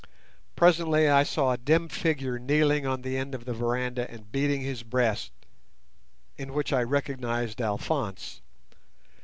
Presently I saw a dim figure kneeling on the end of the veranda and beating his breast—in which I recognized Alphonse.